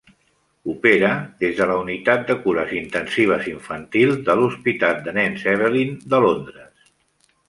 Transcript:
Opera des de la Unitat de Cures Intensives Infantil de l'Hospital de Nens Evelina de Londres.